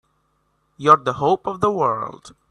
You're the hope of the world!